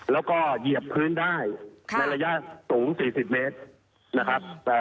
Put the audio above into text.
แล้วก็เหยียบพื้นได้ในระยะสูง๔๐เมตรนะครับ